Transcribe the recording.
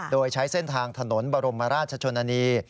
โดยใช้เส้นทางถนนบรมราชชนนานี